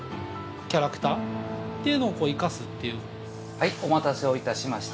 はいお待たせを致しました。